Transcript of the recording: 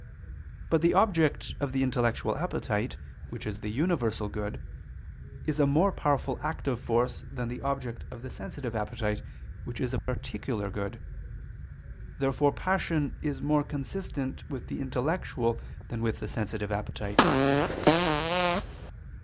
But the object of the intellectual appetite, which is the universal good, is a more powerful active force than the object of the sensitive appetite, which is a particular good. Therefore passion is more consistent with the intellectual than with the sensitive appetite.